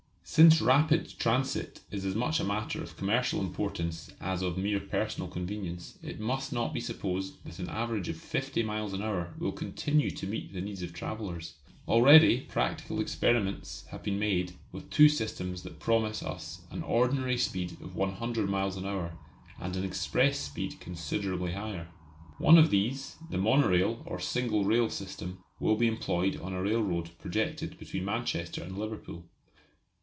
Since rapid transit is as much a matter of commercial importance as of mere personal convenience it must not be supposed that an average of 50 miles an hour will continue to meet the needs of travellers. Already practical experiments have been made with two systems that promise us an ordinary speed of 100 miles an hour and an express speed considerably higher. One of these, the monorail or single rail system, will be employed on a railroad projected between Manchester and Liverpool.